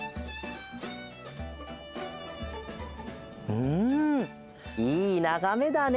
うんいいながめだね。